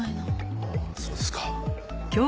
ああそうですか。